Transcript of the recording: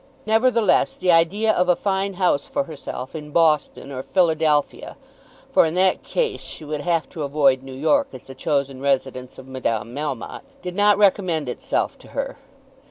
Nevertheless, the idea of a fine house for herself in Boston, or Philadelphia, for in that case she would have to avoid New York as the chosen residence of Madame Melmotte, did not recommend itself to her.